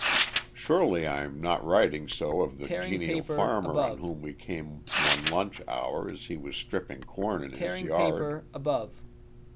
Surely I am not writing so of the genial farmer on whom we came one lunch hour as he was stripping corn in his yard.